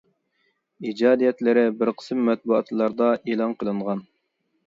ئىجادىيەتلىرى بىر قىسىم مەتبۇئاتلاردا ئېلان قىلىنغان.